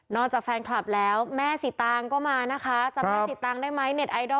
นอกจากแฟนคลับแล้วแม่สิตางก็มานะคะจำแม่สิตางได้ไหม